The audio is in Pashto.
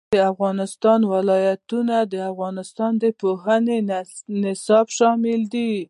د افغانستان ولايتونه د افغانستان د پوهنې نصاب کې شامل دي.